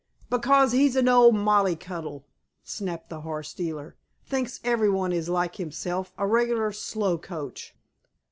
"Because he's an old molly coddle," snapped the horse dealer. "Thinks everyone is like himself, a regular slow coach."